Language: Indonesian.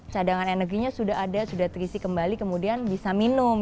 cadangan energinya sudah ada sudah terisi kembali kemudian bisa minum